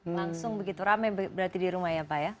langsung begitu rame berarti di rumah ya pak ya